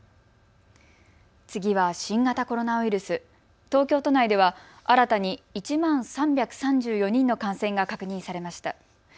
次は新型コロナウイルス、東京都内では新たに１万３３４人の感染が確認されました。